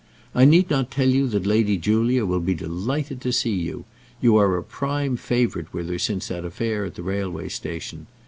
I need not tell you that Lady Julia will be delighted to see you. You are a prime favourite with her since that affair at the railway station.